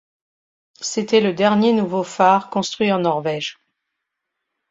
C'était le dernier nouveau phare construit en Norvège.